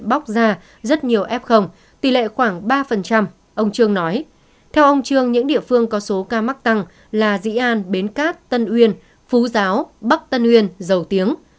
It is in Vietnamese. ông trương nói theo ông trương những địa phương có số ca mắc tăng là dĩ an bến cát tân uyên phú giáo bắc tân uyên dầu tiếng